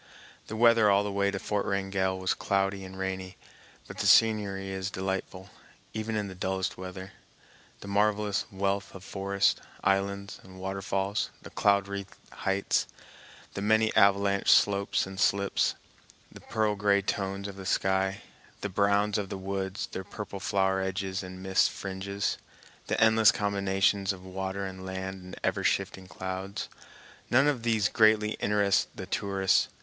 The weather all the way to Fort Wrangell was cloudy and rainy, but the scenery is delightful even in the dullest weather. The marvelous wealth of forests, islands, and waterfalls, the cloud wreathed heights, the many avalanche slopes and slips, the pearl gray tones of the sky, the browns of the woods, their purple flower edges and mist fringes, the endless combinations of water and land and ever shifting clouds—none of these greatly interest the tourists.